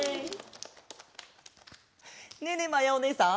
ねえねえまやおねえさん。